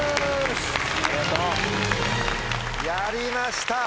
やりました。